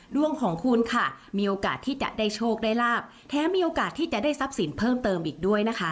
ดวงของคุณค่ะมีโอกาสที่จะได้โชคได้ลาบแถมมีโอกาสที่จะได้ทรัพย์สินเพิ่มเติมอีกด้วยนะคะ